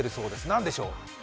何でしょう？